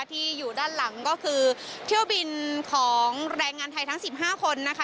ที่อยู่ด้านหลังก็คือเที่ยวบินของแรงงานไทยทั้ง๑๕คนนะคะ